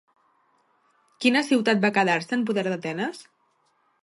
Quina ciutat va quedar-se en poder d'Atenes?